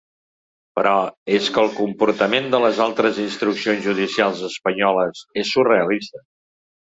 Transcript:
Però és que el comportament de les altres instruccions judicials espanyoles és surrealista.